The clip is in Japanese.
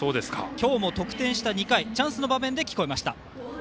今日も得点した２回チャンスの場面で聞こえました。